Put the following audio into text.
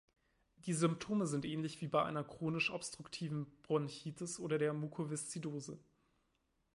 Die Symptome sind ähnlich wie bei einer chronisch obstruktiven Bronchitis oder der Mukoviszidose.